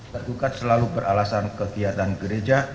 tergugat selalu beralasan kegiatan gereja